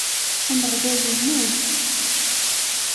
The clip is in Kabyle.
Ameɣlal inna-d.